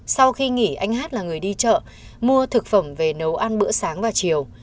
sau khi nghỉ anh hát là người đi chợ mua thực phẩm về nấu ăn bữa sáng và chiều